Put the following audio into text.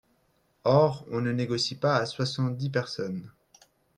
Or on ne négocie pas à soixante-dix personnes.